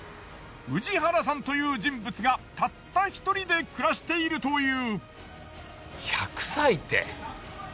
氏原さんという人物がたった一人で暮らしているという。